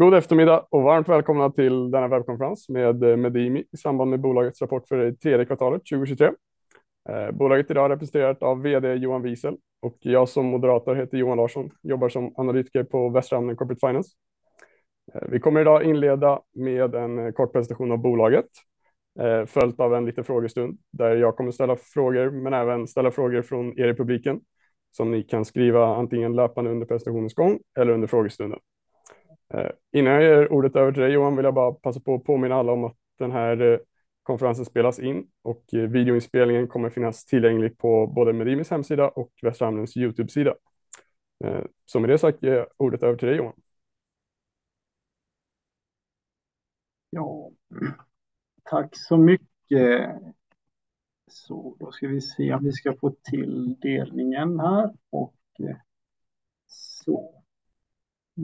God eftermiddag och varmt välkomna till denna webbkonferens med Medimi i samband med bolagets rapport för det tredje kvartalet 2023. Bolaget idag är representerat av VD Johan Wiesel och jag som moderator heter Johan Larsson, jobbar som analytiker på Västernamnen Corporate Finance. Vi kommer idag inleda med en kort presentation av bolaget, följt av en liten frågestund där jag kommer att ställa frågor, men även ställa frågor från er i publiken, som ni kan skriva antingen löpande under presentationens gång eller under frågestunden. Innan jag ger ordet över till dig, Johan, vill jag bara passa på att påminna alla om att den här konferensen spelas in och videoinspelningen kommer att finnas tillgänglig på både Medimis hemsida och Västernamnens YouTube-sida. Så med det sagt ger jag ordet över till dig, Johan. Ja, tack så mycket. Så då ska vi se om vi ska få till delningen här.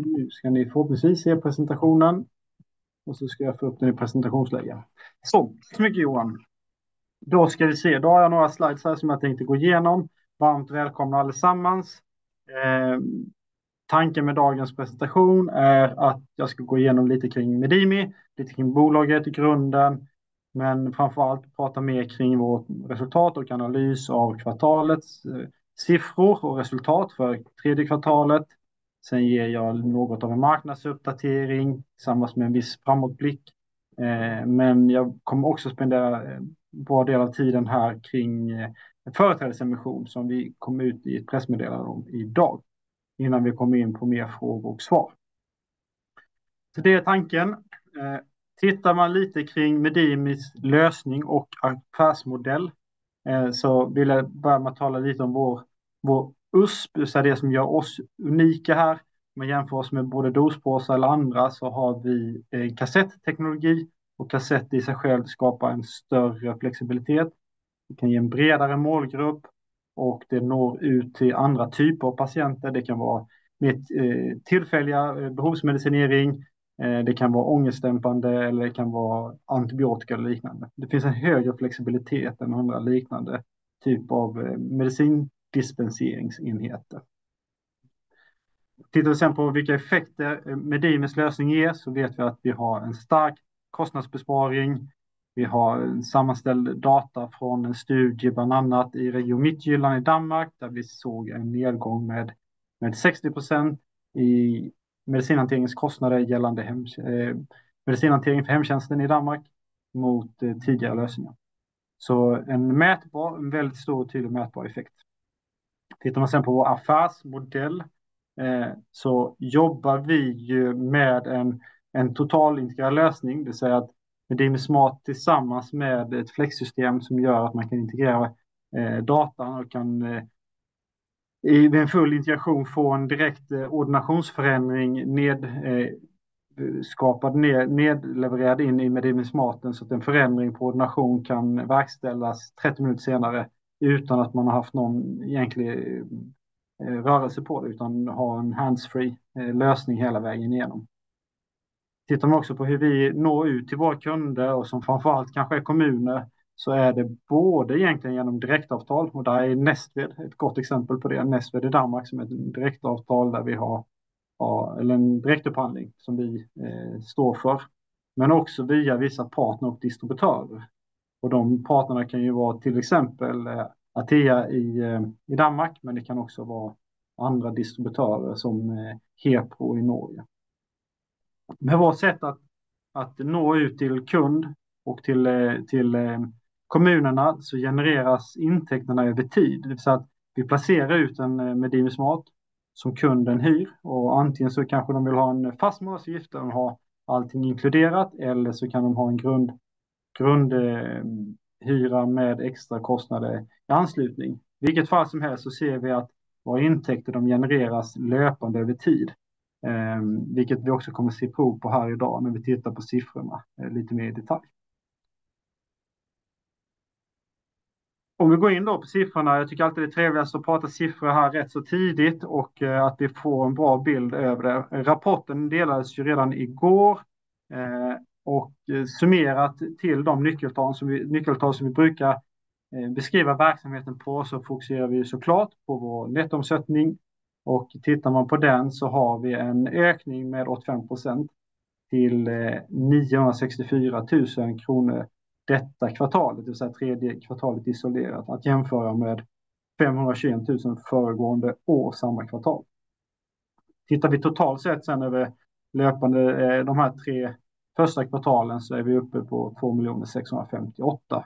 Nu ska ni förhoppningsvis se presentationen och så ska jag få upp den i presentationsläget. Så, tack så mycket Johan. Då ska vi se. Då har jag några slides här som jag tänkte gå igenom. Varmt välkomna allesammans! Tanken med dagens presentation är att jag ska gå igenom lite kring Medimi, lite kring bolaget i grunden, men framför allt prata mer kring vårt resultat och analys av kvartalets siffror och resultat för tredje kvartalet. Sen ger jag något av en marknadsuppdatering tillsammans med en viss framåtblick. Men jag kommer också spendera en bra del av tiden här kring en företrädesemission som vi kom ut i ett pressmeddelande om i dag, innan vi kommer in på mer frågor och svar. Så det är tanken. Tittar man lite kring Medimis lösning och affärsmodell, så vill jag börja med att tala lite om vår USP, det som gör oss unika här. Om man jämför oss med både Dospåsa eller andra, så har vi en kassetteknologi och kassett i sig själv skapar en större flexibilitet. Det kan ge en bredare målgrupp och det når ut till andra typer av patienter. Det kan vara med tillfälliga behovsmedicinering, det kan vara ångestdämpande eller det kan vara antibiotika eller liknande. Det finns en högre flexibilitet än andra liknande typ av medicindispenseringsenheter. Tittar vi sen på vilka effekter Medimis lösning ger, så vet vi att vi har en stark kostnadsbesparing. Vi har sammanställd data från en studie, bland annat i Region Mittjylland i Danmark, där vi såg en nedgång med 60% i medicinhanteringens kostnader gällande medicinhantering för hemtjänsten i Danmark mot tidigare lösningar. Så en mätbar, en väldigt stor och tydlig mätbar effekt. Tittar man sen på vår affärsmodell så jobbar vi ju med en totalintegrerad lösning. Det vill säga att Medimi Smart tillsammans med ett flexsystem som gör att man kan integrera data och kan i en full integration få en direkt ordinationsförändring skapad nedlevererad in i Medimis smarten, så att en förändring på ordination kan verkställas trettio minuter senare utan att man har haft någon egentlig rörelse på det, utan ha en hands free lösning hela vägen igenom. Tittar man också på hur vi når ut till våra kunder och som framför allt kanske är kommuner, så är det både egentligen genom direktavtal och där är Næstved ett gott exempel på det. Næstved i Danmark som är ett direktavtal där vi har, eller en direktupphandling som vi står för, men också via vissa partner och distributörer. Och de partnerna kan ju vara till exempel Athea i Danmark, men det kan också vara andra distributörer som Hepro i Norge. Med vårt sätt att nå ut till kund och till kommunerna så genereras intäkterna över tid. Det vill säga att vi placerar ut en Medimi Smart som kunden hyr och antingen så kanske de vill ha en fast månadsavgift där de har allting inkluderat eller så kan de ha en grundhyra med extrakostnader i anslutning. Vilket fall som helst så ser vi att våra intäkter, de genereras löpande över tid, vilket vi också kommer se prov på här idag när vi tittar på siffrorna lite mer i detalj. Om vi går in då på siffrorna, jag tycker alltid det är trevligast att prata siffror här rätt så tidigt och att vi får en bra bild över det. Rapporten delades ju redan i går, och summerat till de nyckeltalen, nyckeltal som vi brukar beskriva verksamheten på, så fokuserar vi så klart på vår nettoomsättning. Tittar man på den så har vi en ökning med 85% till 964 000 kronor detta kvartalet, det vill säga tredje kvartalet isolerat. Att jämföra med 521 000 föregående år, samma kvartal. Tittar vi totalt sett sedan över löpande de här tre första kvartalen så är vi uppe på 2 658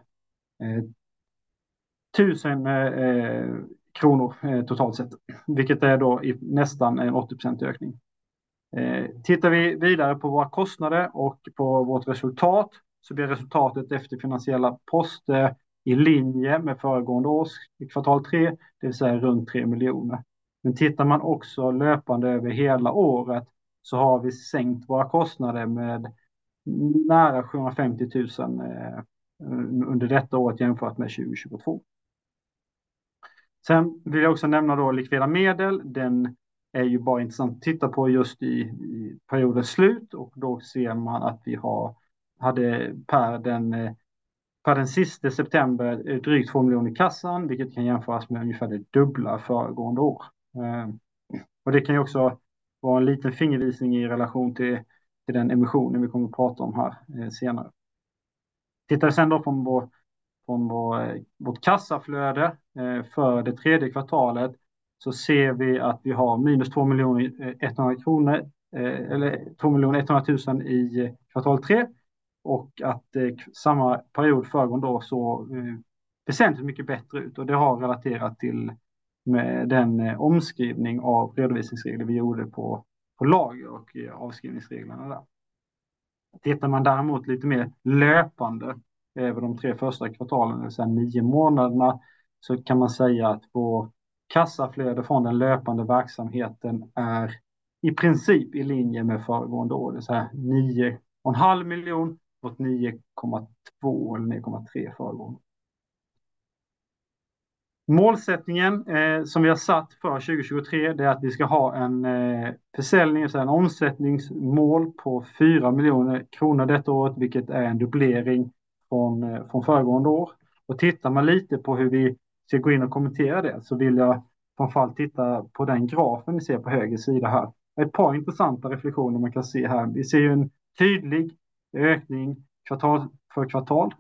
000 kronor totalt sett, vilket är då i nästan en 80% ökning. Tittar vi vidare på våra kostnader och på vårt resultat, så blir resultatet efter finansiella poster i linje med föregående års kvartal tre, det vill säga runt 3 miljoner. Men tittar man också löpande över hela året, så har vi sänkt våra kostnader med nära 750 000 under detta året jämfört med 2022. Sen vill jag också nämna då likvida medel. Den är ju bara intressant att titta på just i periodens slut och då ser man att vi har, hade per den siste september drygt 2 miljoner kronor i kassan, vilket kan jämföras med ungefär det dubbla föregående år. Och det kan ju också vara en liten fingervisning i relation till den emissionen vi kommer att prata om här senare. Tittar vi sedan då på vårt kassaflöde för det tredje kvartalet, så ser vi att vi har minus 2,1 miljoner kronor i kvartal tre och att samma period föregående år så, det ser inte mycket bättre ut och det har relaterat till den omskrivning av redovisningsregler vi gjorde på lager och avskrivningsreglerna där. Tittar man däremot lite mer löpande över de tre första kvartalen, sedan nio månaderna, så kan man säga att vårt kassaflöde från den löpande verksamheten är i princip i linje med föregående år. Det är nio och en halv miljoner mot nio komma två eller nio komma tre föregående. Målsättningen som vi har satt för 2023, det är att vi ska ha en försäljning, alltså ett omsättningsmål på fyra miljoner kronor detta året, vilket är en dubblering från föregående år. Tittar man lite på hur vi ska gå in och kommentera det, så vill jag framför allt titta på den grafen vi ser på höger sida här. Ett par intressanta reflektioner man kan se här. Vi ser ju en tydlig ökning kvartal för kvartal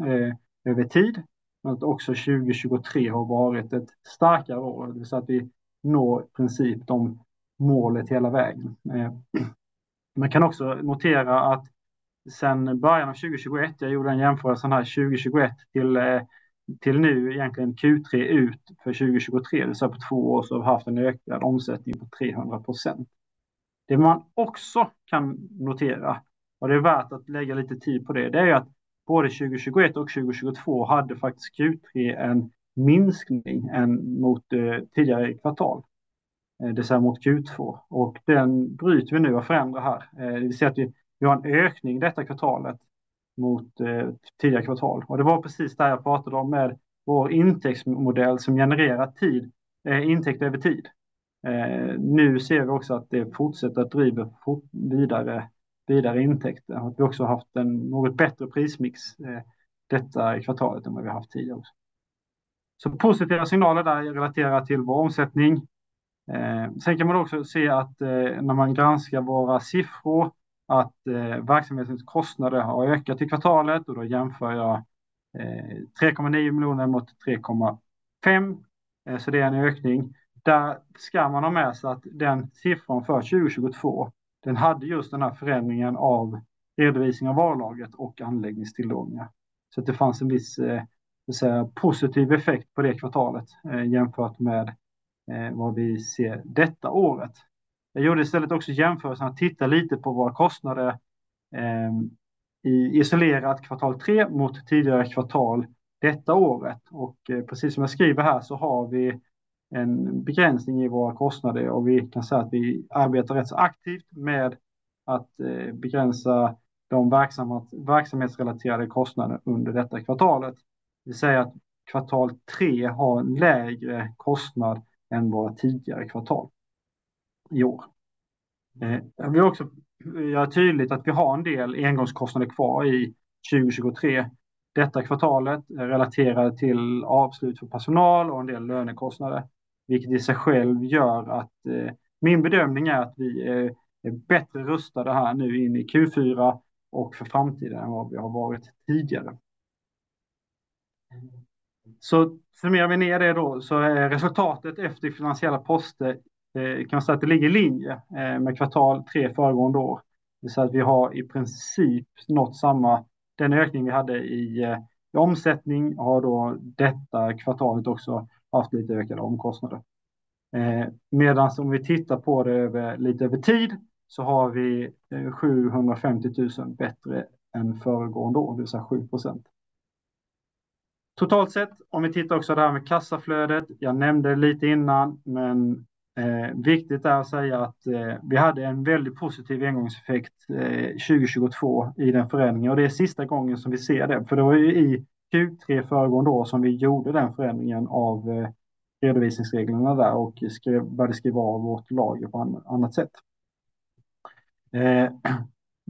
över tid, men att också 2023 har varit ett starkare år. Det vill säga att vi når i princip de målen hela vägen. Man kan också notera att sedan början av 2021, jag gjorde en jämförelse här 2021 till nu, egentligen, Q3 ut för 2023. Det vill säga på två år så har vi haft en ökad omsättning på 300%. Det man också kan notera, och det är värt att lägga lite tid på det, det är att både 2021 och 2022 hade faktiskt Q3 en minskning mot tidigare kvartal. Det är mot Q2 och den bryter vi nu och förändrar här. Det vill säga att vi har en ökning detta kvartalet mot tidigare kvartal. Och det var precis det jag pratade om med vår intäktsmodell som genererar intäkt över tid. Nu ser vi också att det fortsätter att driva vidare intäkter. Att vi också haft en något bättre prismix detta kvartalet än vad vi haft tidigare. Så positiva signaler där relaterat till vår omsättning. Sen kan man också se att när man granskar våra siffror, att verksamhetens kostnader har ökat i kvartalet och då jämför jag 3,9 miljoner mot 3,5. Så det är en ökning. Där ska man ha med sig att den siffran för 2022, den hade just den här förändringen av redovisning av varulagret och anläggningstillgångar. Så att det fanns en viss, så att säga, positiv effekt på det kvartalet, jämfört med vad vi ser detta året. Jag gjorde istället också en jämförelse att titta lite på våra kostnader i isolerat kvartal tre mot tidigare kvartal detta året. Och precis som jag skriver här så har vi en begränsning i våra kostnader och vi kan säga att vi arbetar rätt så aktivt med att begränsa de verksamhetsrelaterade kostnaderna under detta kvartal. Det vill säga att kvartal tre har en lägre kostnad än våra tidigare kvartal i år. Vi har också, det är tydligt att vi har en del engångskostnader kvar i 2023. Detta kvartal, relaterade till avslut för personal och en del lönekostnader, vilket i sig själv gör att min bedömning är att vi är bättre rustade här nu in i Q4 och för framtiden än vad vi har varit tidigare. Så summerar vi ner det då, så är resultatet efter finansiella poster, kan man säga att det ligger i linje med kvartal tre föregående år. Det vill säga att vi har i princip nått samma, den ökning vi hade i omsättning, har då detta kvartalet också haft lite ökade omkostnader. Medan om vi tittar på det över, lite över tid, så har vi 750 000 bättre än föregående år, det vill säga 7%. Totalt sett, om vi tittar också det här med kassaflödet. Jag nämnde det lite innan, men viktigt är att säga att vi hade en väldigt positiv engångseffekt 2022 i den förändringen och det är sista gången som vi ser den, för det var ju i Q3 föregående år som vi gjorde den förändringen av redovisningsreglerna där och började skriva av vårt lager på annat sätt.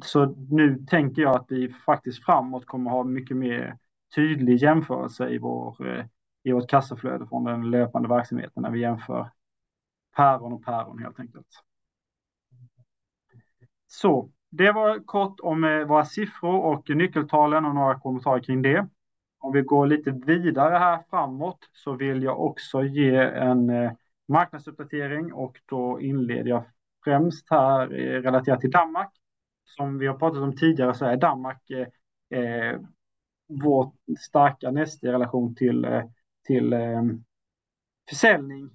Så nu tänker jag att vi faktiskt framåt kommer att ha mycket mer tydlig jämförelse i vår, i vårt kassaflöde från den löpande verksamheten när vi jämför päron och päron, helt enkelt. Det var kort om våra siffror och nyckeltalen och några kommentarer kring det. Om vi går lite vidare här framåt, så vill jag också ge en marknadsuppdatering och då inleder jag främst här relaterat till Danmark. Som vi har pratat om tidigare så är Danmark vårt starka näst i relation till försäljning.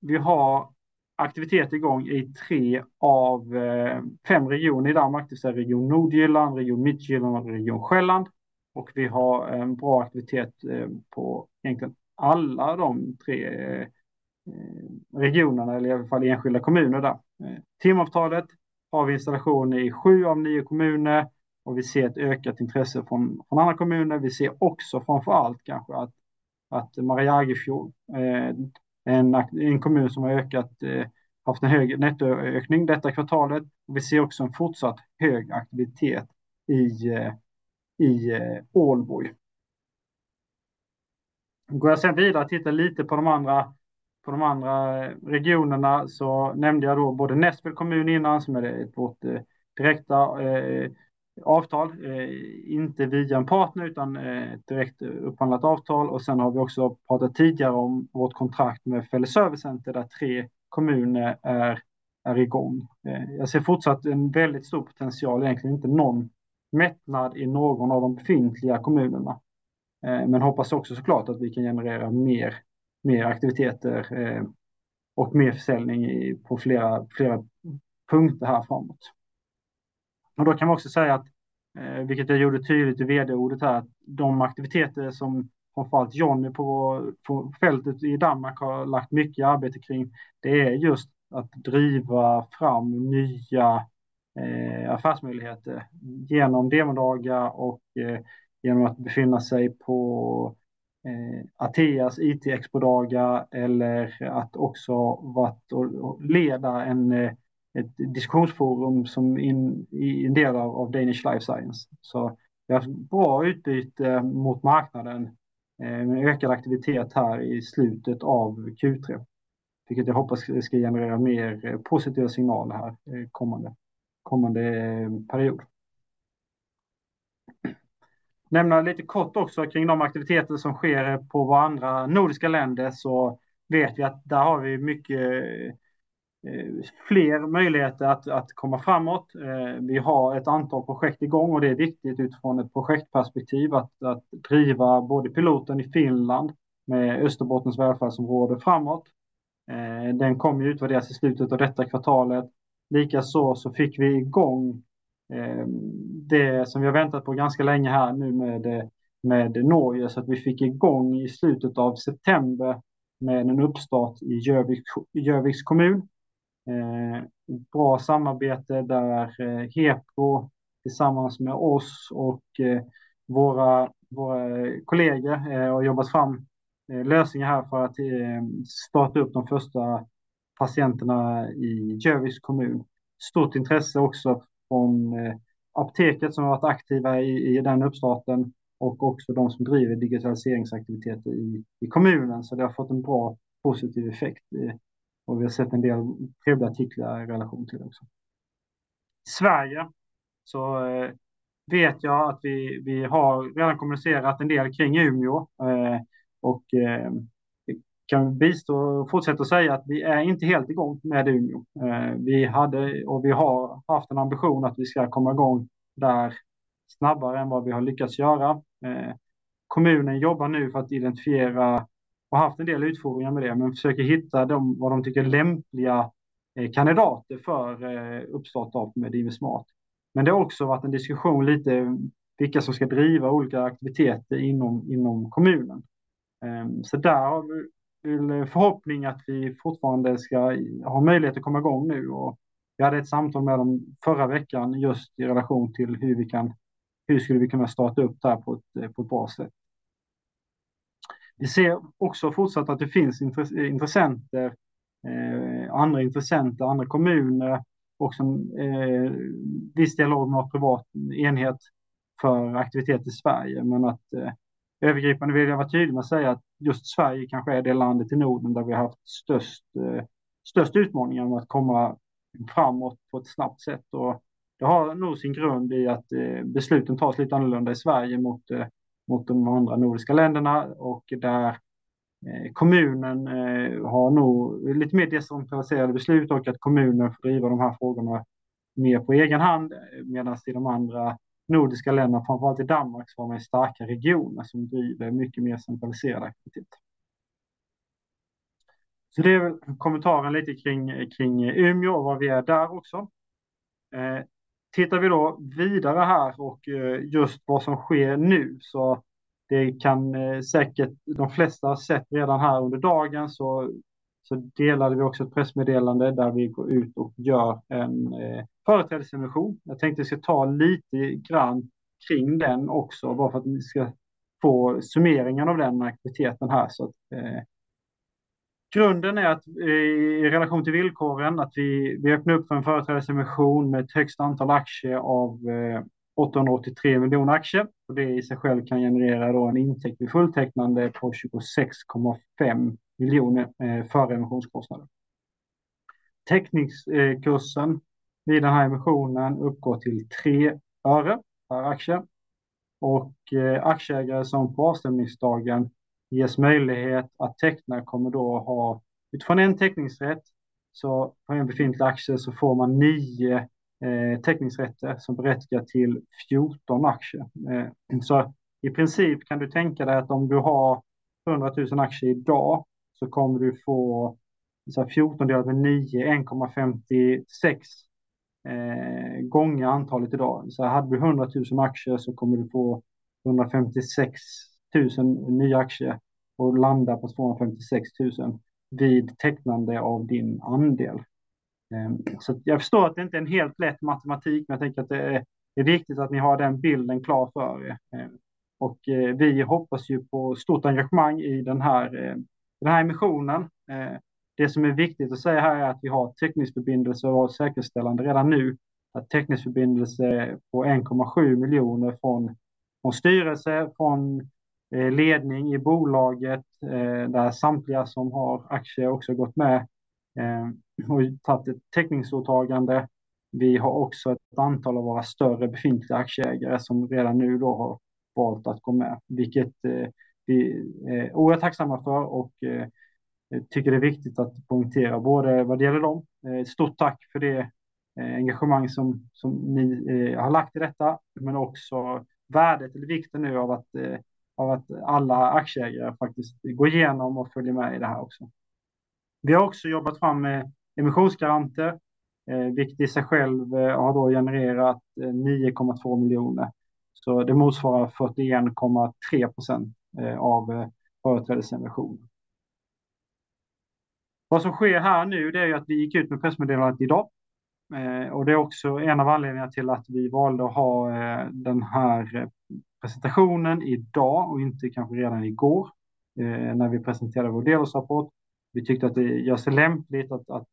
Vi har aktivitet i gång i tre av fem regioner i Danmark, det vill säga Region Nordjylland, Region Midtjylland och Region Själland. Vi har en bra aktivitet på egentligen alla de tre regionerna eller i alla fall enskilda kommuner där. Teamavtalet har vi installation i sju av nio kommuner och vi ser ett ökat intresse från andra kommuner. Vi ser också framför allt kanske att Mariagerfjord, en kommun som har ökat, haft en hög nettoökning detta kvartalet. Vi ser också en fortsatt hög aktivitet i Ålborg. Går jag sen vidare och tittar lite på de andra regionerna, så nämnde jag då både Näsby kommun innan, som är vårt direkta avtal, inte via en partner, utan ett direkt upphandlat avtal. Och sen har vi också pratat tidigare om vårt kontrakt med Felle Service Center, där tre kommuner är i gång. Jag ser fortsatt en väldigt stor potential, egentligen inte någon mättnad i någon av de befintliga kommunerna. Men hoppas också så klart att vi kan generera mer aktiviteter och mer försäljning på flera punkter här framåt. Och då kan man också säga att, vilket jag gjorde tydligt i VD-ordet här, att de aktiviteter som framför allt Johnny på fältet i Danmark har lagt mycket arbete kring, det är just att driva fram nya affärsmöjligheter genom demodagar och genom att befinna sig på Atheas IT-expodagar eller att också vara och leda ett diskussionsforum som ingår i en del av Danish Life Science. Så vi har bra utbyte mot marknaden med ökad aktivitet här i slutet av Q3, vilket jag hoppas ska generera mer positiva signaler här kommande period. Nämna lite kort också kring de aktiviteter som sker på våra andra nordiska länder, så vet vi att där har vi mycket fler möjligheter att komma framåt. Vi har ett antal projekt i gång och det är viktigt utifrån ett projektperspektiv att driva både piloten i Finland med Österbottens välfärd som råder framåt. Den kommer utvärderas i slutet av detta kvartal. Likaså så fick vi i gång det som vi har väntat på ganska länge här nu med Norge. Vi fick i gång i slutet av september med en uppstart i Gjövik, Gjöviks kommun. Bra samarbete där Hepro tillsammans med oss och våra kollegor har jobbat fram lösningar här för att starta upp de första patienterna i Gjöviks kommun. Stort intresse också från apoteket som har varit aktiva i uppstarten och också de som driver digitaliseringsaktiviteter i kommunen. Det har fått en bra positiv effekt och vi har sett en del trevliga artiklar i relation till det också. Sverige, så vet jag att vi har redan kommunicerat en del kring Umeå och kan bistå och fortsätta att säga att vi är inte helt i gång med Umeå. Vi hade och vi har haft en ambition att vi ska komma i gång där snabbare än vad vi har lyckats göra. Kommunen jobbar nu för att identifiera och haft en del utmaningar med det, men försöker hitta de, vad de tycker är lämpliga kandidater för uppstart av med InvSmart. Men det har också varit en diskussion lite, vilka som ska driva olika aktiviteter inom kommunen. Så där har vi en förhoppning att vi fortfarande ska ha möjlighet att komma i gång nu. Vi hade ett samtal med dem förra veckan, just i relation till hur vi kan, hur skulle vi kunna starta upp det här på ett bra sätt. Vi ser också fortsatt att det finns intressenter, andra intressenter, andra kommuner, också en viss dialog med vår privata enhet för aktivitet i Sverige. Men att övergripande vill jag vara tydlig med att säga att just Sverige kanske är det landet i Norden där vi har haft störst utmaningar med att komma framåt på ett snabbt sätt. Och det har nog sin grund i att besluten tas lite annorlunda i Sverige mot de andra nordiska länderna. Och där kommunen har nog lite mer decentraliserade beslut och att kommunen får driva de här frågorna mer på egen hand. Medan i de andra nordiska länderna, framför allt i Danmark, så har man starka regioner som driver mycket mer centraliserad aktivitet. Så det är väl kommentaren lite kring Umeå och var vi är där också. Tittar vi då vidare här och just vad som sker nu, så det kan säkert de flesta har sett redan här under dagen, så delade vi också ett pressmeddelande där vi går ut och gör en företrädesemission. Jag tänkte jag ska ta lite grann kring den också, bara för att ni ska få summeringen av den aktiviteten här. Grunden är att i relation till villkoren, att vi öppnar upp för en företrädesemission med ett högst antal aktier av 883 miljoner aktier. Det i sig själv kan generera då en intäkt vid fulltecknande på 26,5 miljoner före emissionskostnaden. Teckningskursen vid den här emissionen uppgår till 3 öre per aktie och aktieägare som på avstämningsdagen ges möjlighet att teckna, kommer då att ha utifrån en teckningsrätt, så på en befintlig aktie så får man nio teckningsrätter som berättigar till 14 aktier. I princip kan du tänka dig att om du har hundratusen aktier idag, så kommer du få fjorton delat med nio, 1,56, gånger antalet idag. Hade du hundratusen aktier så kommer du få hundrafemtiosex tusen nya aktier och landa på tvåhundrafemtisex tusen vid tecknande av din andel. Jag förstår att det inte är en helt lätt matematik, men jag tänker att det är viktigt att ni har den bilden klar för er. Vi hoppas ju på stort engagemang i den här emissionen. Det som är viktigt att säga här är att vi har teckningsförbindelse och säkerställande redan nu. Teckningsförbindelse på 1,7 miljoner från styrelse, från ledning i bolaget, där samtliga som har aktier också har gått med och tagit ett teckningsåtagande. Vi har också ett antal av våra större befintliga aktieägare som redan nu då har valt att gå med, vilket vi är tacksamma för och tycker det är viktigt att poängtera, både vad det gäller dem. Stort tack för det engagemang som ni har lagt i detta, men också värdet eller vikten nu av att alla aktieägare faktiskt går igenom och följer med i det här också. Vi har också jobbat fram med emissionsgaranter, vilket i sig själv har då genererat 9,2 miljoner. Så det motsvarar 41,3% av företrädesemissionen. Vad som sker här nu, det är ju att vi gick ut med pressmeddelandet idag. Det är också en av anledningarna till att vi valde att ha den här presentationen idag och inte kanske redan igår, när vi presenterade vår delårsrapport. Vi tyckte att det var lämpligt att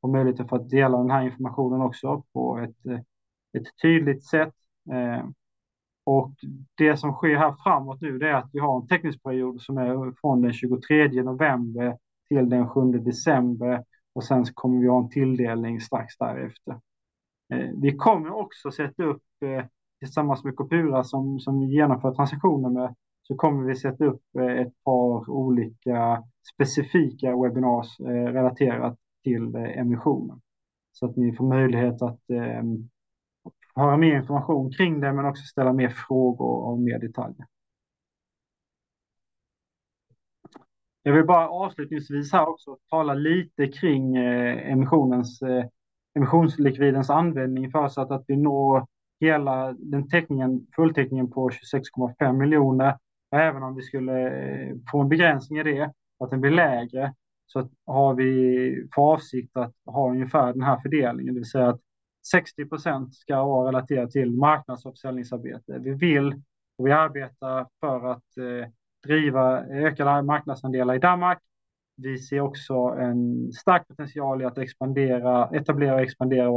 få möjlighet för att dela den här informationen också på ett tydligt sätt. Och det som sker här framåt nu, det är att vi har en teckningsperiod som är från den 23 november till den 7 december och sen kommer vi att ha en tilldelning strax därefter. Vi kommer också sätta upp tillsammans med Copura, som vi genomför transitionen med, så kommer vi sätta upp ett par olika specifika webinars relaterat till emissionen. Så att ni får möjlighet att höra mer information kring det, men också ställa mer frågor och mer detaljer. Jag vill bara avslutningsvis här också tala lite kring emissionens, emissionslikvidens användning förutsatt att vi når hela den teckningen, fullteckningen på 26,5 miljoner. Även om vi skulle få en begränsning i det, att den blir lägre, så har vi för avsikt att ha ungefär den här fördelningen. Det vill säga att 60% ska vara relaterat till marknads- och försäljningsarbete. Vi vill och vi arbetar för att driva ökade marknadsandelar i Danmark. Vi ser också en stark potential i att expandera, etablera och expandera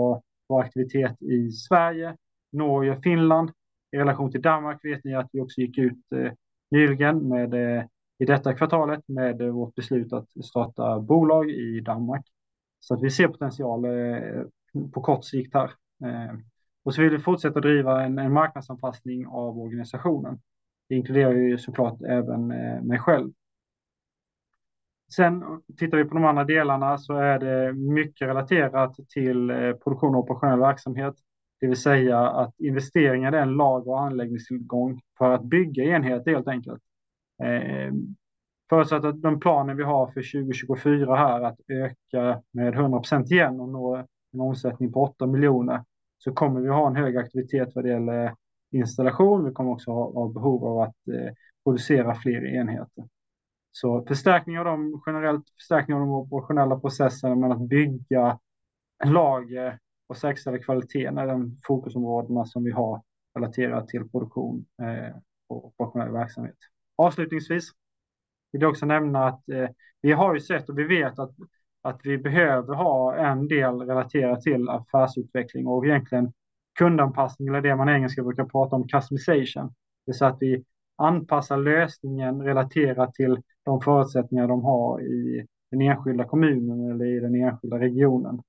vår aktivitet i Sverige, Norge, Finland. I relation till Danmark vet ni att vi också gick ut nyligen med i detta kvartal, med vårt beslut att starta bolag i Danmark. Så att vi ser potential på kort sikt här. Vi vill fortsätta driva en marknadsanpassning av organisationen. Det inkluderar ju såklart även mig själv. Sen tittar vi på de andra delarna så är det mycket relaterat till produktion och operationell verksamhet. Det vill säga att investeringen i den lager och anläggningstillgång för att bygga enheter, helt enkelt. Förutsatt att de planer vi har för 2024 här att öka med 100% igen och når en omsättning på åtta miljoner, så kommer vi att ha en hög aktivitet vad det gäller installation. Vi kommer också att ha behov av att producera fler enheter. Så förstärkning av de generellt, förstärkning av de operationella processerna, men att bygga ett lager och säkerställa kvaliteten är de fokusområden som vi har relaterat till produktion och operationell verksamhet. Avslutningsvis vill jag också nämna att vi har sett och vi vet att vi behöver ha en del relaterat till affärsutveckling och egentligen kundanpassning eller det man på engelska brukar prata om customization. Det är så att vi anpassar lösningen relaterat till de förutsättningar de har i den enskilda kommunen eller i den enskilda regionen.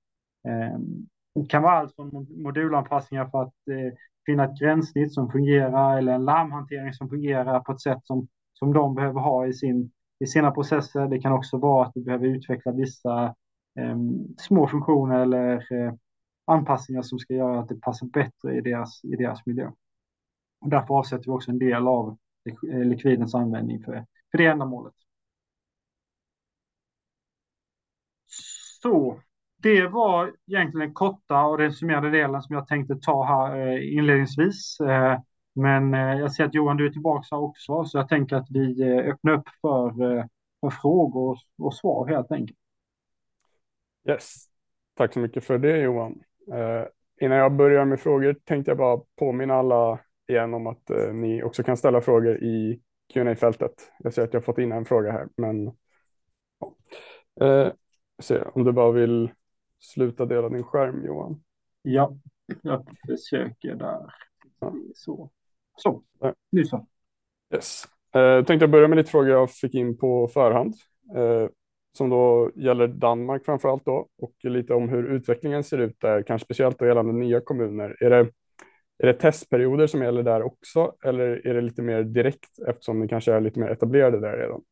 Det kan vara allt från modulanpassningar för att finna ett gränssnitt som fungerar eller en larmhantering som fungerar på ett sätt som de behöver ha i sina processer. Det kan också vara att vi behöver utveckla vissa små funktioner eller anpassningar som ska göra att det passar bättre i deras miljö. Därför avsätter vi också en del av likvidens användning för det ändamålet. Det var egentligen den korta och resumerade delen som jag tänkte ta här inledningsvis, men jag ser att Johan, du är tillbaka också, så jag tänker att vi öppnar upp för frågor och svar, helt enkelt. Ja, tack så mycket för det, Johan. Innan jag börjar med frågor tänkte jag bara påminna alla igen om att ni också kan ställa frågor i Q&A-fältet. Jag ser att jag har fått in en fråga här, men... Om du bara vill sluta dela din skärm, Johan. Ja, jag försöker där. Så, så! Nu så. Ja, tänkte jag börja med lite frågor jag fick in på förhand, som då gäller Danmark framför allt då, och lite om hur utvecklingen ser ut där, kanske speciellt då gällande nya kommuner. Är det testperioder som gäller där också? Eller är det lite mer direkt eftersom ni kanske är lite mer etablerade där redan?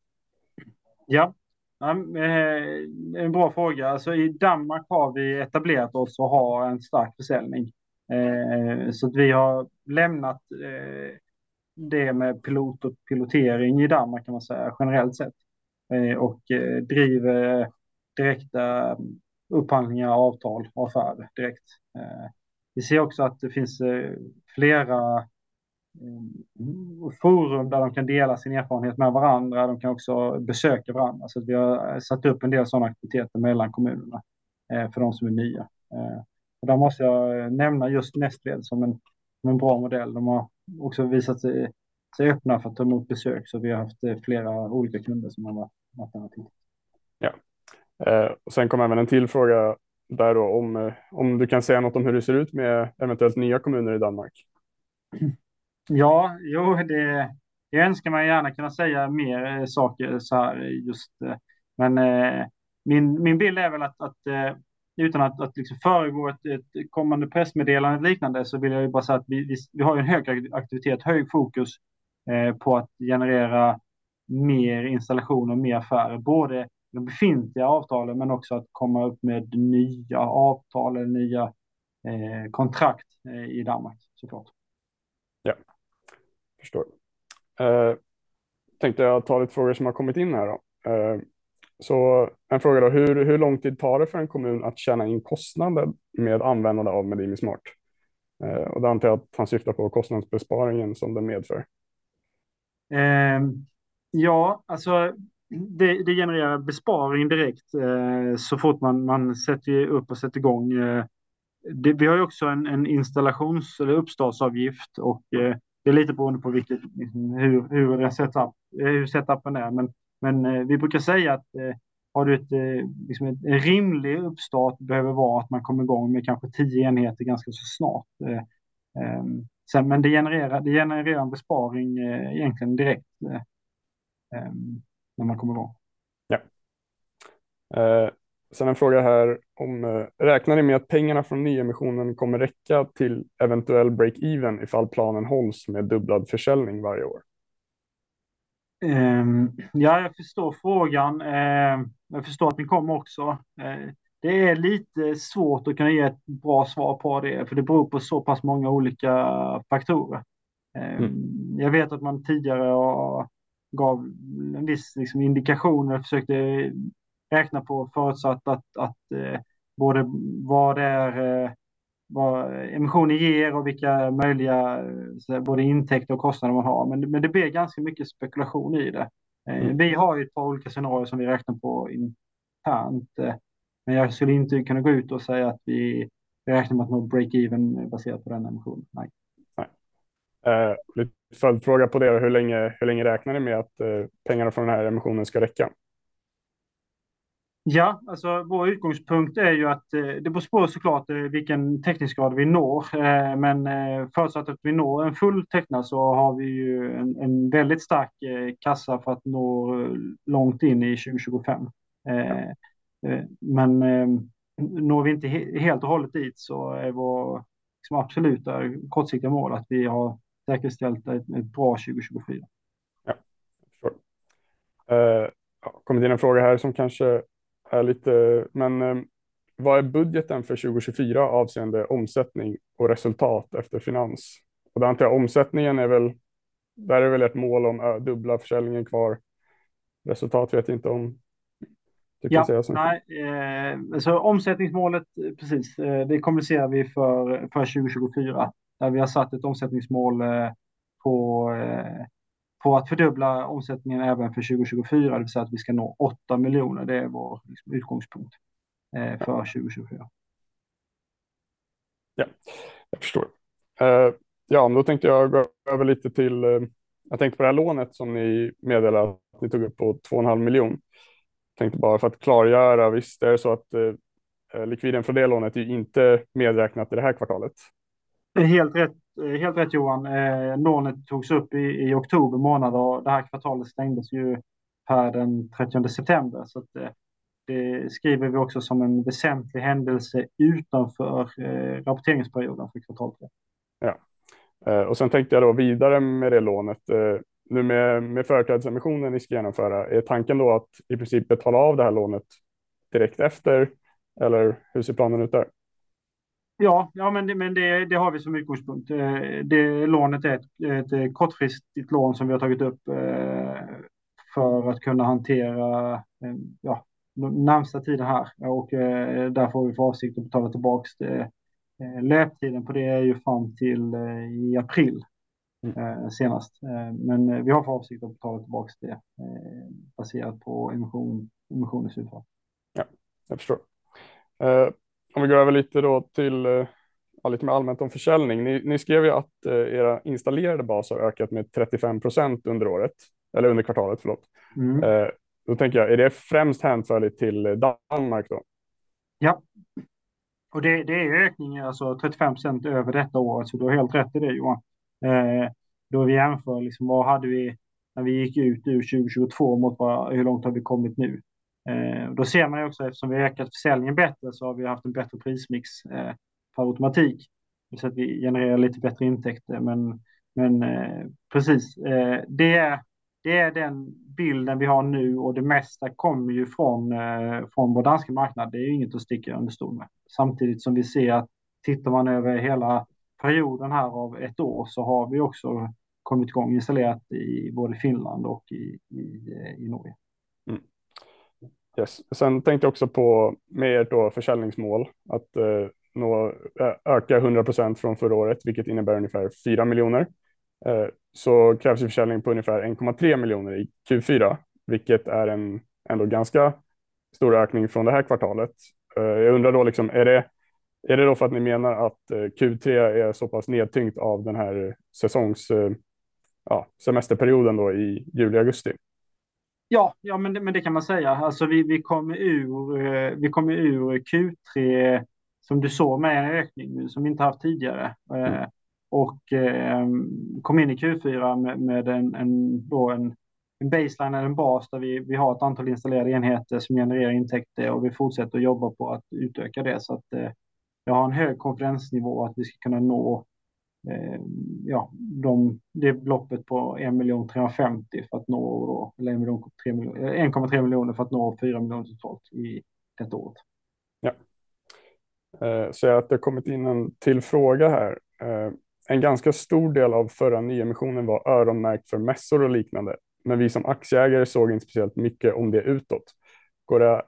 Ja, en bra fråga. I Danmark har vi etablerat oss och har en stark försäljning. Så vi har lämnat det med pilot och pilotering i Danmark, kan man säga, generellt sett, och driver direkta upphandlingar, avtal och affärer direkt. Vi ser också att det finns flera forum där de kan dela sin erfarenhet med varandra. De kan också besöka varandra. Så vi har satt upp en del sådana aktiviteter mellan kommunerna, för de som är nya. Och där måste jag nämna just Næstved som en bra modell. De har också visat sig öppna för att ta emot besök, så vi har haft flera olika kunder som har varit med om det. Ja, och sen kom även en till fråga där då om, om du kan säga något om hur det ser ut med eventuellt nya kommuner i Danmark? Ja, jo, det önskar man gärna kunna säga mer saker såhär just. Men min bild är väl att utan att föregå ett kommande pressmeddelande, liknande, så vill jag bara säga att vi har en hög aktivitet, hög fokus på att generera mer installation och mer affärer. Både med befintliga avtalen, men också att komma upp med nya avtal eller nya kontrakt i Danmark, så klart. Ja, förstår. Tänkte jag ta lite frågor som har kommit in här då. Så en fråga då, hur lång tid tar det för en kommun att tjäna in kostnaden med användande av Medimi Smart? Och det antar jag att han syftar på kostnadsbesparingen som den medför. Ja, alltså, det genererar besparing direkt så fort man sätter upp och sätter i gång. Vi har också en installations- eller uppstartsavgift och det är lite beroende på vilket, hur setupen är. Men vi brukar säga att har du en rimlig uppstart behöver vara att man kommer i gång med kanske tio enheter ganska så snart. Men det genererar en besparing egentligen direkt, när man kommer i gång. Ja. Sen en fråga här om: Räknar ni med att pengarna från nyemissionen kommer räcka till eventuell break even ifall planen hålls med dubblad försäljning varje år? Ja, jag förstår frågan. Jag förstår att den kommer också. Det är lite svårt att kunna ge ett bra svar på det, för det beror på så pass många olika faktorer. Jag vet att man tidigare gav en viss indikation och försökte räkna på, förutsatt att både vad det är, vad emissionen ger och vilka möjliga både intäkter och kostnader man har. Men det blir ganska mycket spekulation i det. Vi har ett par olika scenarier som vi räknar på internt, men jag skulle inte kunna gå ut och säga att vi räknar med att nå break even baserat på denna emission, nej. Nej. Följdfråga på det, hur länge räknar ni med att pengarna från den här emissionen ska räcka? Ja, alltså, vår utgångspunkt är ju att det beror så klart vilken teckningsgrad vi når, men förutsatt att vi når en full tecknad så har vi ju en väldigt stark kassa för att nå långt in i 2025. Men når vi inte helt och hållet dit så är vår absoluta kortsiktiga mål att vi har säkerställt ett bra 2024. Ja, det förstår jag. Det har kommit in en fråga här som kanske är lite... Men vad är budgeten för 2024 avseende omsättning och resultat efter finans? Och där antar jag att omsättningen är väl, där är väl ett mål om att dubbla försäljningen kvar. Resultat vet jag inte om du kan säga något. Nej, så omsättningsmålet, precis, det kommunicerar vi för 2024. Vi har satt ett omsättningsmål på att fördubbla omsättningen även för 2024. Det vill säga att vi ska nå åtta miljoner, det är vår utgångspunkt för 2024. Ja, jag förstår. Ja, då tänkte jag gå över lite till... Jag tänkte på det här lånet som ni meddelade att ni tog upp på 2,5 miljoner. Tänkte bara för att klargöra, visst är det så att likviden från det lånet är inte medräknat i det här kvartalet? Helt rätt, helt rätt, Johan. Lånet togs upp i oktober månad och det här kvartalet stängdes ju per den 30 september. Så det skriver vi också som en väsentlig händelse utanför rapporteringsperioden för kvartal tre. Ja, och sen tänkte jag då vidare med det lånet. Nu med företrädesemissionen ni ska genomföra, är tanken då att i princip betala av det här lånet direkt efter eller hur ser planen ut där? Ja, ja men det har vi som utgångspunkt. Det lånet är ett kortfristigt lån som vi har tagit upp för att kunna hantera närmsta tider här och där får vi för avsikt att betala tillbaka det. Löptiden på det är ju fram till i april, senast, men vi har för avsikt att betala tillbaka det baserat på emission, emission i sig. Ja, jag förstår. Om vi går över lite då till lite mer allmänt om försäljning. Ni skrev ju att era installerade bas har ökat med 35% under året, eller under kvartalet, förlåt. Då tänker jag, är det främst hänförligt till Danmark då? Ja, och det, det är ökningen, alltså 35% över detta året. Du har helt rätt i det, Johan. När vi jämför, vad hade vi när vi gick ut ur 2022 mot hur långt har vi kommit nu? Då ser man också, eftersom vi har ökat försäljningen bättre, så har vi haft en bättre prismix för automatik. Det vill säga att vi genererar lite bättre intäkter, men precis, det är den bilden vi har nu och det mesta kommer från vår danska marknad. Det är inget att sticka under stol med. Samtidigt som vi ser att tittar man över hela perioden här av ett år, så har vi också kommit i gång och installerat i både Finland och i Norge. Ja, det tänkte jag också på med ert försäljningsmål att nå, öka 100% från förra året, vilket innebär ungefär 4 miljoner. Så krävs ju försäljningen på ungefär 1,3 miljoner i Q4, vilket är en ändå ganska stor ökning från det här kvartalet. Jag undrar då, är det för att ni menar att Q3 är så pass nedtyngt av den här säsongsperioden då i juli, augusti? Ja, ja men det kan man säga. Alltså vi kommer ur Q3, som du såg med en ökning som vi inte haft tidigare. Och kom in i Q4 med en baseline eller en bas där vi har ett antal installerade enheter som genererar intäkter och vi fortsätter att jobba på att utöka det. Så att jag har en hög konfidensnivå att vi ska kunna nå det beloppet på 1,35 miljoner för att nå, eller 1,3 miljoner för att nå 4 miljoner totalt i detta året. Ja. Så jag ser att det har kommit in en till fråga här. En ganska stor del av förra nyemissionen var öronmärkt för mässor och liknande, men vi som aktieägare såg inte speciellt mycket om det utåt.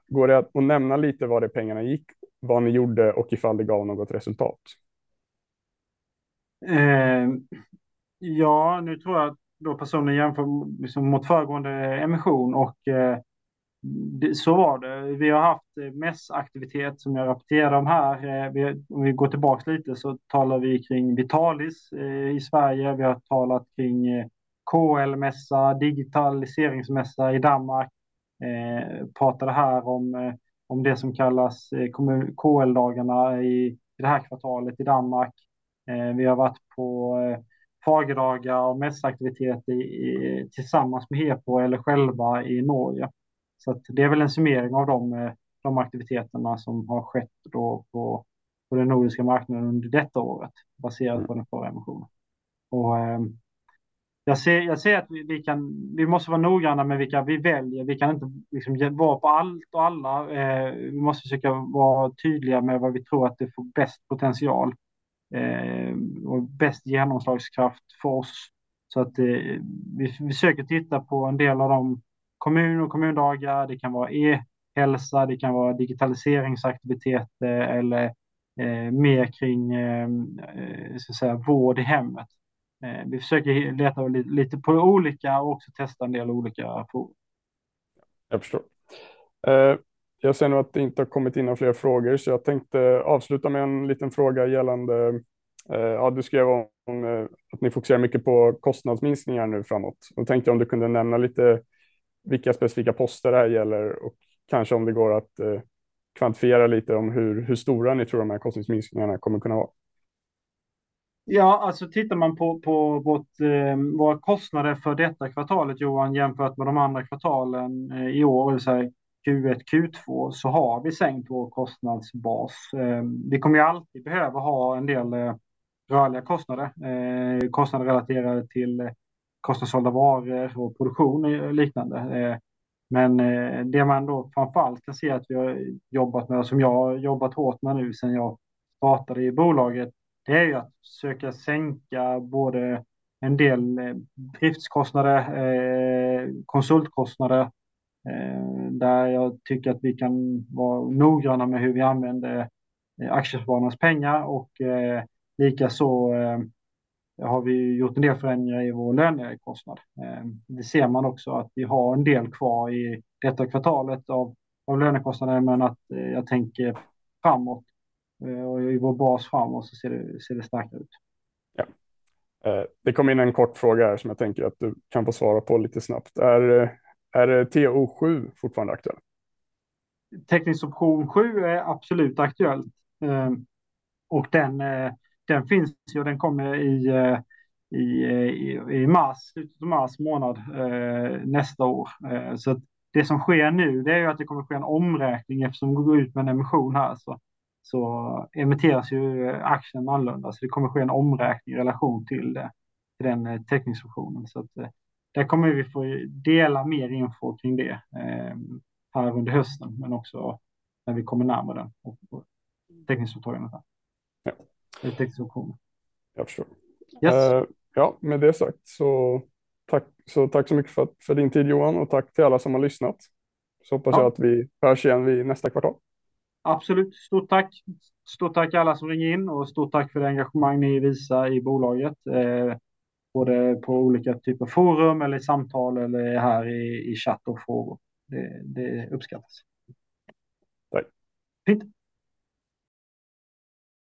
Går det att nämna lite var pengarna gick, vad ni gjorde och ifall det gav något resultat? Ja, nu tror jag att då personen jämför mot föregående emission och så var det. Vi har haft mässaktivitet som jag rapporterar om här. Om vi går tillbaka lite så talar vi kring Vitalis i Sverige. Vi har talat kring KL-mässa, digitaliseringsmässa i Danmark. Pratade här om det som kallas KL-dagarna i det här kvartalet i Danmark. Vi har varit på Fagerdaga och mässaktivitet tillsammans med Hepo eller själva i Norge. Så det är väl en summering av de aktiviteterna som har skett då på den nordiska marknaden under detta året, baserat på den förra emissionen. Och jag ser att vi kan, vi måste vara noggranna med vilka vi väljer. Vi kan inte vara på allt och alla. Vi måste försöka vara tydliga med vad vi tror att det får bäst potential och bäst genomslagskraft för oss. Så att vi försöker titta på en del av de kommun och kommundagar. Det kan vara e-hälsa, det kan vara digitaliseringsaktiviteter eller mer kring, så att säga, vård i hemmet. Vi försöker leta lite på olika och också testa en del olika på. Jag förstår. Jag ser nu att det inte har kommit in några fler frågor, så jag tänkte avsluta med en liten fråga gällande, du skrev om att ni fokuserar mycket på kostnadsminskningar nu framåt. Då tänkte jag om du kunde nämna lite vilka specifika poster det här gäller och kanske om det går att kvantifiera lite om hur stora ni tror de här kostnadsminskningarna kommer kunna vara. Ja, alltså, tittar man på våra kostnader för detta kvartalet, Johan, jämfört med de andra kvartalen i år, det vill säga Q1, Q2, så har vi sänkt vår kostnadsbas. Vi kommer alltid behöva ha en del rörliga kostnader, kostnader relaterade till kostnadsålda varor och produktion och liknande. Men det man då framför allt kan se att vi har jobbat med, som jag har jobbat hårt med nu sedan jag startade i bolaget, det är ju att söka sänka både en del driftskostnader, konsultkostnader, där jag tycker att vi kan vara noggranna med hur vi använder aktiespararnas pengar och likaså har vi gjort en del förändringar i vår lönekostnad. Det ser man också att vi har en del kvar i detta kvartalet av lönekostnader, men att jag tänker framåt och i vår bas framåt så ser det starkt ut. Ja, det kom in en kort fråga här som jag tänker att du kan få svara på lite snabbt. Är TO7 fortfarande aktuell? Teckningsoption sju är absolut aktuellt och den finns och den kommer i mars, slutet av mars månad nästa år. Det som sker nu, det är att det kommer att ske en omräkning. Eftersom vi går ut med en emission här så emitteras aktien annorlunda. Det kommer att ske en omräkning i relation till den teckningsoptionen. Där kommer vi få dela mer info kring det här under hösten, men också när vi kommer närmare den och teckningsoptionen. Jag förstår. Ja, med det sagt, så tack, så tack så mycket för din tid, Johan, och tack till alla som har lyssnat. Så hoppas jag att vi hörs igen vid nästa kvartal. Absolut. Stort tack. Stort tack alla som ringer in och stort tack för det engagemang ni visar i bolaget, både på olika typer av forum eller samtal eller här i chatt och frågor. Det uppskattas. Tack! Fine.